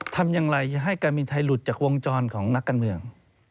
ทำอย่างไรให้การบินไทยหลุดจากวงจรของนักการเมือง